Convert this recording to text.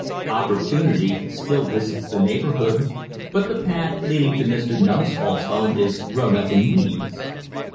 Opportunity still visits the neighborhood, but the path leading to Mister Numbskull's home is grown up in weeds.